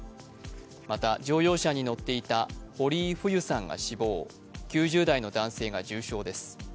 また乗用車に乗っていた堀井フユさんが死亡、９０代の男性が重傷です。